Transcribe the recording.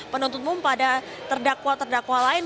penuntut umum pada terdakwa terdakwa lain